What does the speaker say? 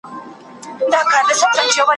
لکه شمع یم په ورځ کي د لمر مخي ته بلېږم !.